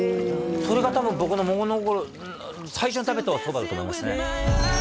それが多分僕の物心最初に食べたおそばだと思いますね